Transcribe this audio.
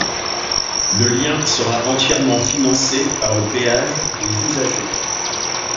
Le lien sera entièrement financé par le péage des usagers.